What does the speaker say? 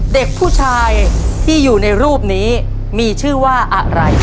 เด็กผู้ชายที่อยู่ในรูปนี้มีชื่อว่าอะไร